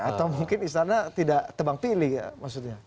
atau mungkin istana tidak tebang pilih maksudnya